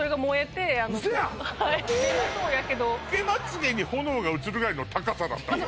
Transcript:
つけまつ毛に炎が移るぐらいの高さだったの？